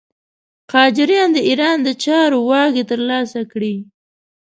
قاجاریان د ایران د چارو واګې تر لاسه کړې.